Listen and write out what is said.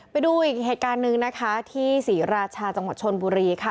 ไปดูอีกเหตุการณ์หนึ่งนะคะที่ศรีราชาจังหวัดชนบุรีค่ะ